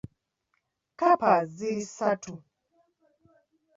Kkapa ziri ssatu .